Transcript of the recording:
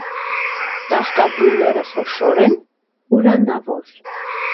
Ծաղկաբույլերը խոշոր են, հուրանավոր։